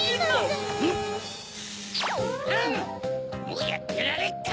もうやってられっか！